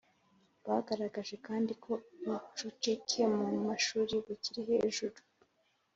Bagaragaje kandi ko ubucucike mu mashuri bukiri hejuru